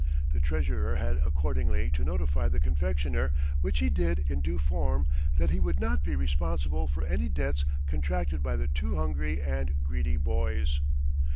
The treasurer had accordingly to notify the confectioner, which he did in due form, that he would not be responsible for any debts contracted by the too hungry and greedy boys.